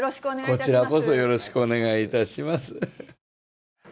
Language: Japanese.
こちらこそよろしくお願いいたします。